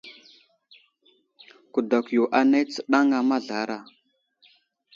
Kudakw yo anay tsənaŋa mazlara.